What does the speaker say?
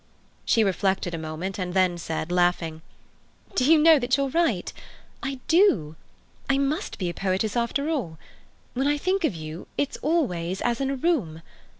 She reflected a moment, and then said, laughing: "Do you know that you're right? I do. I must be a poetess after all. When I think of you it's always as in a room.